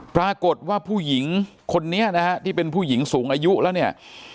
ปรากฏว่าผู้หญิงคนนี้นะฮะที่เป็นผู้หญิงสูงอายุแล้วเนี่ย